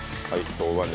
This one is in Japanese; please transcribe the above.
豆板醤。